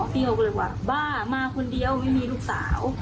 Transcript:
พี่เขาก็เลยว่าบ้ามาคนเดียวไม่มีลูกสาว